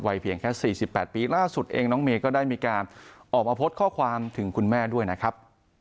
วัยเพียงแค่สี่สิบแปดปีล่าสุดเองน้องเมก็ได้มีการออกมาพดข้อความถึงคุณแม่ด้วยนะครับ